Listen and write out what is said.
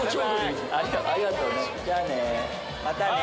じゃあねまたね。